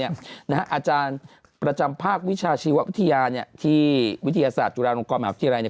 อาจารย์ประจำภาควิชาชีววิทยาเนี่ยที่วิทยาศาสตร์จุฬาลงกรมหาวิทยาลัยเนี่ย